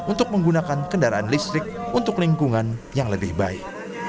untuk menggunakan kendaraan listrik untuk lingkungan yang lebih baik